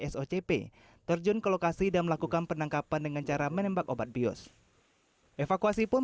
socp terjun ke lokasi dan melakukan penangkapan dengan cara menembak obat bius evakuasi pun